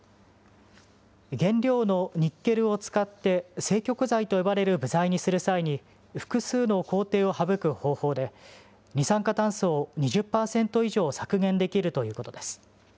原料のニッケルを使って正極材と呼ばれる部材にする際に、複数の工程を省く方法で、二酸化炭素を２０％以上削減できるということです。